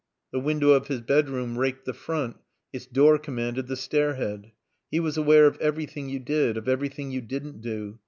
The window of his bedroom raked the front; its door commanded the stairhead. He was aware of everything you did, of everything you didn't do.